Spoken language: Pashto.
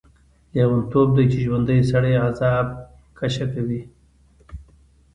لیونتوب دی چې ژوندی سړی عذاب کشه کوي.